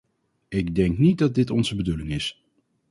Ik denk niet dat dit onze bedoeling is.